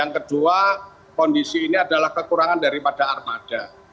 yang kedua kondisi ini adalah kekurangan daripada armada